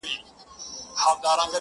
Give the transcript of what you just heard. د لېوانو په څېر مخ په مخ ویدیږي،